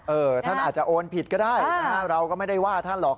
ท่านอาจจะโอนผิดก็ได้นะฮะเราก็ไม่ได้ว่าท่านหรอก